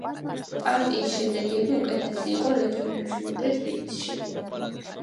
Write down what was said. პარტიის შედეგები უკეთესი იყო რეგიონებში, ვიდრე თბილისში.